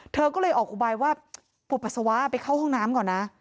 เธอก็เลยออกอุบายว่าปวดปัสสาวะไปเข้าห้องน้ำก่อนนะ